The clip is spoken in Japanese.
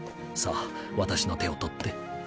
さあ私の手を取って